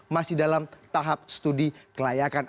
masih dalam tahap studi kelayakan